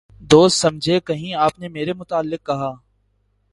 دوست سمجھے کہیں آپ نے میرے متعلق کہا